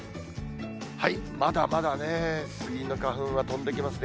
まだまだね、スギの花粉は飛んできますね。